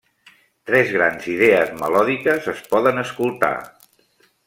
Tres grans idees melòdiques es poden escoltar.